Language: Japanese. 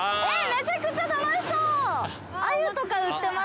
めちゃくちゃ楽しそう！